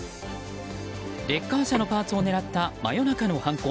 レッカー車のパーツを狙った真夜中の犯行。